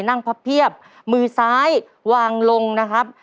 พับเพียบมือซ้ายวางลงนะครับ